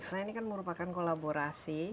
karena ini kan merupakan kolaborasi